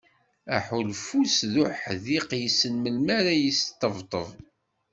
Aḥulfu-s d uḥdiq yessen melmi ara d-yesṭebṭeb.